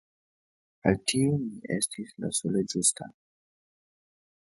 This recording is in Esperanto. Al tiu mi estis la sole ĝusta!